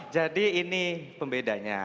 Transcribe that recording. jadi ini pembedanya